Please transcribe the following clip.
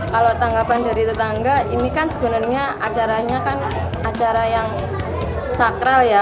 kalau tanggapan dari tetangga ini kan sebenarnya acaranya kan acara yang sakral ya